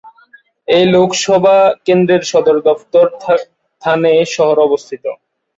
এই লোকসভা কেন্দ্রের সদর দফতর থানে শহরে অবস্থিত।